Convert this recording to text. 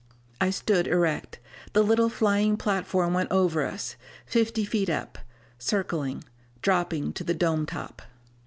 I stood erect. The little flying platform went over us, fifty feet up, circling, dropping to the dome top.